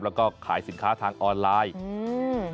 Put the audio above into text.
แล้วก็ขายสินค้าทางออนไลน์อืม